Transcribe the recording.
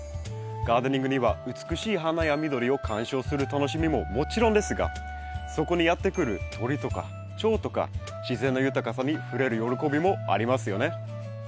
ガーデニングには美しい花や緑を観賞する楽しみももちろんですがそこにやって来る鳥とかチョウとか自然の豊かさに触れる喜びもありますよね。